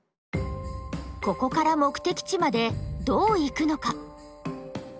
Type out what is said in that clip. ここから目的地までどう行くのか。